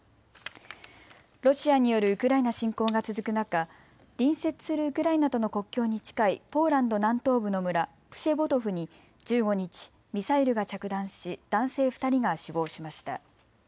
ロシアによるウクライナ侵攻が続く中、隣接するウクライナとの国境に近いポーランド南東部の村プシェボドフに１５日、ミサイルが着弾し男性２人が死亡しました。